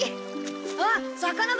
あっ魚だ！